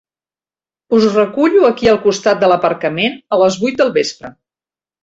Us recullo aquí al costat de l'aparcament a les vuit del vespre.